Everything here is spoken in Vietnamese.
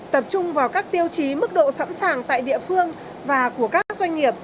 tập trung vào các tiêu chí mức độ sẵn sàng tại địa phương và của các doanh nghiệp